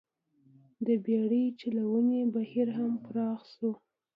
د بېړۍ چلونې بهیر هم پراخ شول.